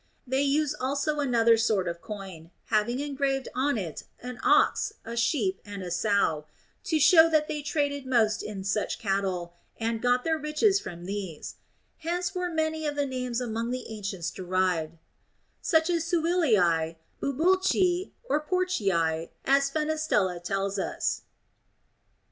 They used also another sort of coin, having engraven on it an ox, a sheep, and a sow, to show that they traded most in such cattle, and got their riches from these ; hence were many of the names among the ancients derived, as Suillii, Bu bulci, and Porcii, as Fenestella tells us.